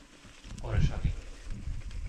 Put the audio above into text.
Orešany